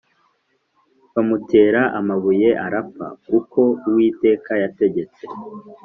Bamutera amabuye arapfa uko uwiteka yategetse